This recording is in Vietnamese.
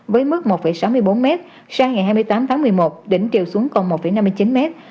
với mức một sáu mươi bốn m sang ngày hai mươi tám tháng một mươi một đỉnh chiều xuống còn một năm mươi chín mét